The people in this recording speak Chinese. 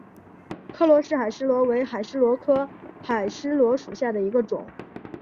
柯罗氏海蛳螺为海蛳螺科海蛳螺属下的一个种。